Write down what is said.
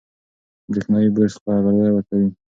برېښنایي برس خبرداری ورکوي.